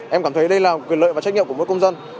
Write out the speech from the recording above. em cảm thấy đây là quyền lợi và trách nhiệm của mỗi công dân